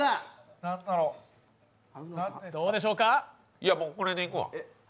いや、これでいくわ。